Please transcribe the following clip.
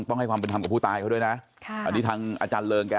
ต้องให้ความเป็นธรรมกับผู้ตายเขาด้วยนะค่ะอันนี้ทางอาจารย์เริงแก